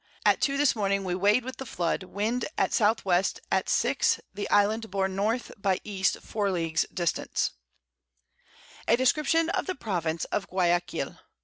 At 2 this Morning we weighed with the Flood, Wind at S. W. at 6 the Island bore N. by E. 4 Leagues distance. A Description of the Province of Guiaquil.